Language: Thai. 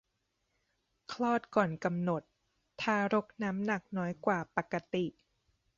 คลอดก่อนกำหนด ทารกน้ำหนักน้อยกว่าปกติ